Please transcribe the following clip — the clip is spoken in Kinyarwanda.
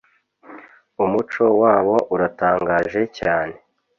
umuco wabo uratangaje cyane